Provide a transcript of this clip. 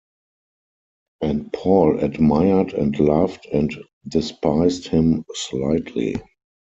And Paul admired and loved and despised him slightly.